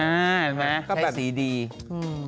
ใช่ไหมใช้สีดีใช่